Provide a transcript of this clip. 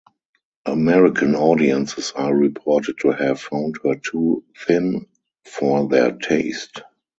American audiences are reported to have found her too thin for their taste.